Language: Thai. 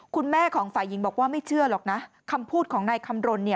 คุณแม่ของฝ่ายหญิงบอกว่าไม่เชื่อหรอกนะคำพูดของนายคำรณ